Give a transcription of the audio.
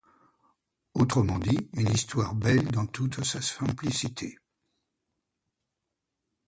Autrement dit, une histoire belle dans toute sa simplicité.